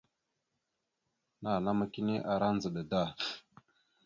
Nanama kini ara ndzəɗa da.